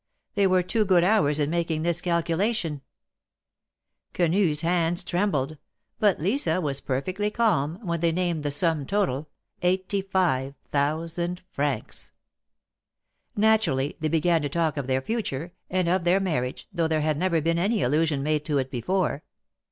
They were two good hours in making this calculation. Quenu's THE MARKETS OP PARIS. 73 hands trembled, but Lisa was perfectly calm, when they named the sum total — eighty five thousand francs ! Natu rally, they began to talk of their future, and of their marriage, though there had never been any allusion made to it before.